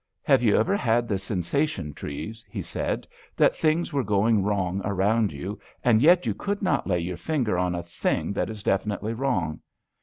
Have you ever had the sensation, Treves," he said, "that things were going wrong around you, and yet you could not lay your finger on a thing that is definitely wrong?"